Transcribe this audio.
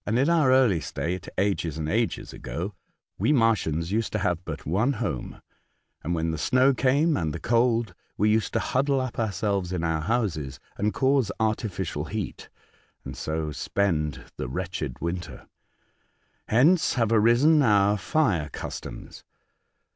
In our early state, ages and ages ago, we Mar tians used to have but one home, and when the snow came and the cold, we used to huddle up ourselves in our houses and cause artificial heat, and so spend the wretched winter. Hence have arisen our fire customs.